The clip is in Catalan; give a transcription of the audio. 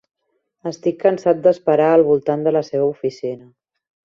Estic cansat d"esperar al voltant de la seva oficina.